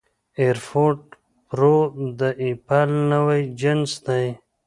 اېرفوډ پرو د اېپل نوی جنس دی